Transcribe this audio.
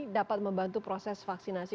dapat membantu proses vaksinasi